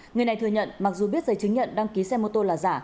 người này thừa nhận mặc dù biết giấy chứng nhận đăng ký xe mô tô là giả